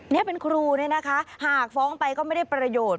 นี่เป็นครูเนี่ยนะคะหากฟ้องไปก็ไม่ได้ประโยชน์